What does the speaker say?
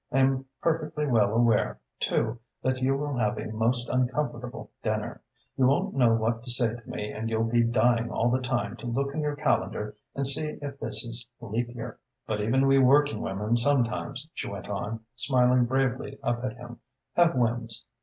I am perfectly well aware, too, that you will have a most uncomfortable dinner. You won't know what to say to me and you'll be dying all the time to look in your calendar and see if this is leap year. But even we working women sometimes," she went on, smiling bravely up at him, "have whims.